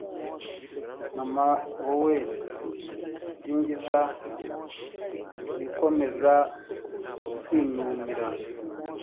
Mana wowe nsingiza wikomeza kwinumira